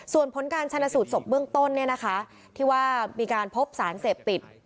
ส่วนผลการชนะสูตรศพเบื้องต้นที่ว่ามีการพบสารเสพติด